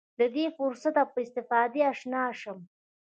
له دې فرصته په استفادې اشنا شم.